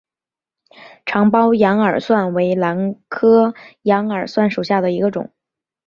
长苞羊耳蒜为兰科羊耳蒜属下的一个种。